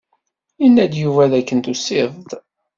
Yenna-d Yuba dakken tusid-d.